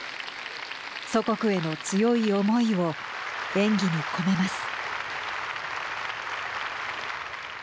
祖国への強い思いを演技に込めます。